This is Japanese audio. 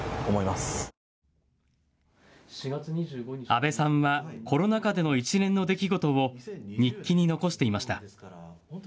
阿部さんはコロナ禍での一連の出来事を日記に残していました。